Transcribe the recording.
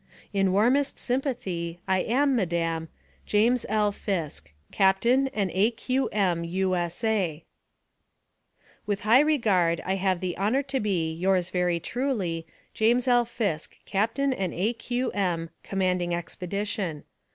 "In warmest sympathy, I am, Madam, "JAS. L. FISK, "Capt. and A. Q. M. U. S. A." With high regard, I have the honor to be, Yours, very truly, JAS. L. FISK, Capt. and A. Q. M. Commanding Expedition.